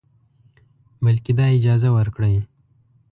بلکې دا اجازه ورکړئ